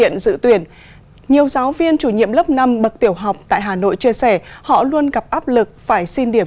nhiều giáo viên chủ nhiệm lớp năm bậc tiểu học tại hà nội chia sẻ họ luôn gặp áp lực phải xin điểm